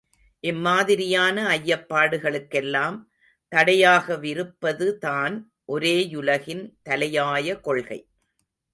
இம்மாதிரியான ஐயப்பாடுகளுக்கெல்லாம் தடையாகவிருப்பதுதான் ஒரே யுலகின் தலையாய கொள்கை.